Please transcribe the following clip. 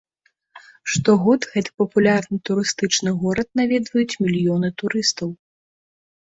Штогод гэты папулярны турыстычны горад наведваюць мільёны турыстаў.